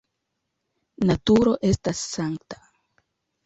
Naturo estas sankta.